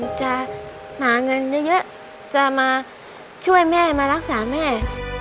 มีเงินทำจะหาเงินเยอะจะมาช่วยแม่มารักษาแม่